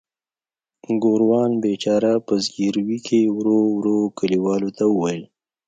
ګوروان بیچاره په زګیروي کې ورو ورو کلیوالو ته وویل.